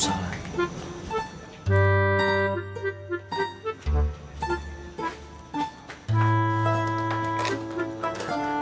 saya pulang duluan ya kum